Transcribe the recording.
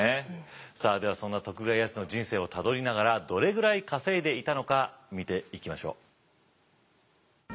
さあではそんな徳川家康の人生をたどりながらどれぐらい稼いでいたのか見ていきましょう。